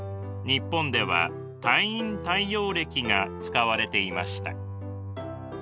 日本では太陰太陽暦が使われていました。